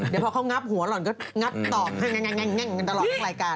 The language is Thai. เดี๋ยวพอเค้างับหัวหล่อนก็งัดต่อแง่งตลอดละครายการ